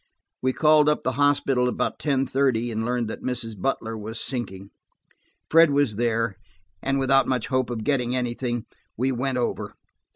We called up the hospital about ten thirty, and learned that Mrs. Butler was sinking. Fred was there, and without much hope of getting anything, we went over.